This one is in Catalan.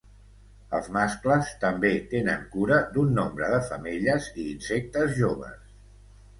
Els mascles també tenen cura d'un nombre de femelles i insectes joves.